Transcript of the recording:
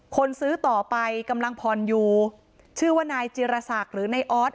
คนซื้อต่อไปกำลังผ่อนอยู่ชื่อว่านายจิรศักดิ์หรือนายออส